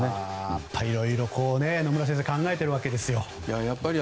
いろいろ、野村先生考えているわけですよ。